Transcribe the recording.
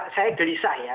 saya gelisah ya